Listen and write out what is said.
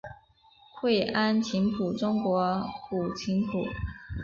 愧庵琴谱中国古琴谱。